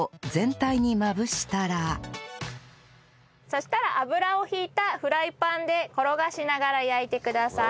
そしたら油を引いたフライパンで転がしながら焼いてください。